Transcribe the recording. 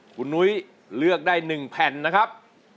คุณนุ้ยเลือกได้๑แผ่นนะครับ